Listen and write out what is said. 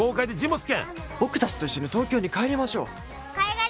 僕たちと一緒に東京に帰りましょう。